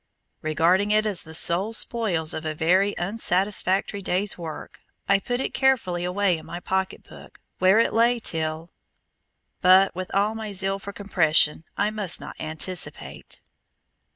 Regarding it as the sole spoils of a very unsatisfactory day's work, I put it carefully away in my pocket book, where it lay till But with all my zeal for compression, I must not anticipate.